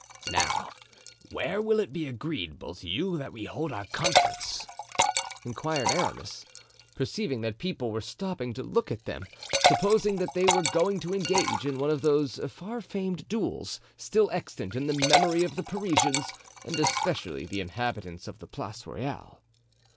"Now where will it be agreeable to you that we hold our conference?" inquired Aramis, perceiving that people were stopping to look at them, supposing that they were going to engage in one of those far famed duels still extant in the memory of the Parisians, and especially the inhabitants of the Place Royale.